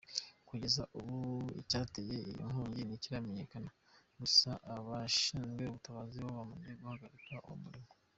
Kugeza ubu, icyateye iyo nkongi ntikiramenyeka; gusa abashinzwe ubutabazi bo bamaze guhagarika uwo muriro.